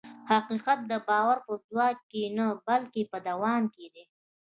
حقیقت د باور په ځواک کې نه، بلکې په دوام کې دی.